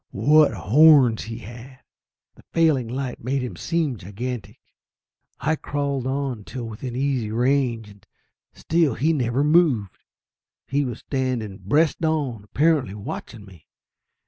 What horns he had! The failing light made him seem gigantic. I crawled on till within easy range, and still he never moved. He was standing breast on, apparently watching me.